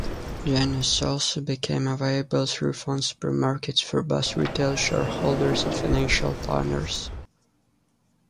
Janus also became available through fund supermarkets for both retail shareholders and financial planners.